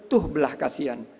mereka tidak butuh belahkasihan